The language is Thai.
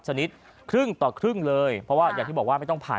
ชนิดครึ่งต่อครึ่งเลยเพราะว่าอย่างที่บอกว่าไม่ต้องผ่าน